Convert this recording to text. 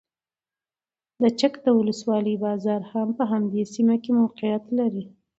د چک د ولسوالۍ بازار هم په همدې سیمه کې موقعیت لري.